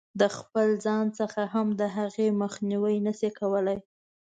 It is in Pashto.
د خپل ځان څخه هم د هغې مخنیوی نه شي کولای.